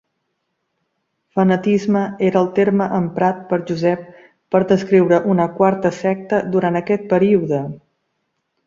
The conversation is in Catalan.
"Fanatisme" era el terme emprat per Josep per descriure una "quarta secta" durant aquest període.